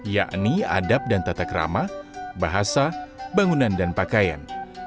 yakni adab dan tata kerama bahasa bangunan dan pakaian